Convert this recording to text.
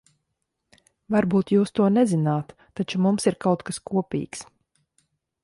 Varbūt jūs to nezināt, taču mums ir kaut kas kopīgs.